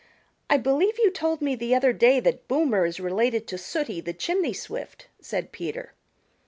"I believe you told me the other day that Boomer is related to Sooty the Chimney Swift," said Peter.